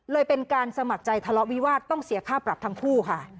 เป็นการสมัครใจทะเลาะวิวาสต้องเสียค่าปรับทั้งคู่ค่ะ